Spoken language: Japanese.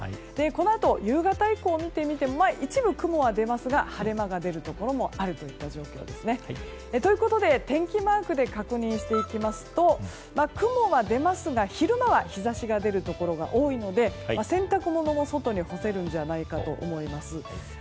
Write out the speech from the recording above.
このあと夕方以降を見てみても一部、雲は出ますが晴れ間が出るところもあるといった状況ですね。ということで天気マークで確認していきますと雲は出ますが、昼間は日差しが出るところが多いので洗濯物も外に干せるんじゃないかと思います。